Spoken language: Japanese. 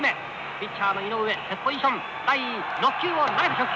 ピッチャーの井上セットポジション。